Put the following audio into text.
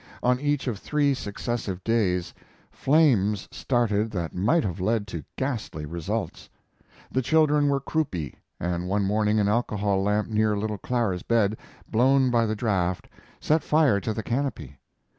On each of three successive days flames started that might have led to ghastly results. The children were croupy, and one morning an alcohol lamp near little Clara's bed, blown by the draught, set fire to the canopy.